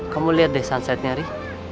kamu lihat deh sunsetnya ri